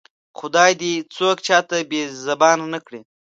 خدای دې څوک چاته بې زبانه نه کړي